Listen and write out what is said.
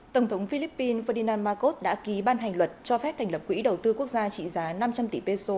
tổng thống philippines ferdinan marcos đã ký ban hành luật cho phép thành lập quỹ đầu tư quốc gia trị giá năm trăm linh tỷ peso